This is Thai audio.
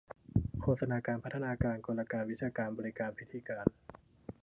โฆษณาการ พัฒนาการ กลการ วิชาการ บริการ พิธีการ